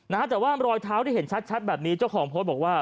นะฮะแต่ว่ารอยเท้าที่เห็นชัดชัดแบบนี้เจ้าของโพสต์บอกว่า